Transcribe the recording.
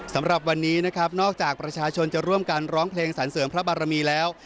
สำหรับวันนี้นะครับนอกจากประชาชนจะร่วมกันร้องเพลงสรรเสริมพระบารมีแล้ว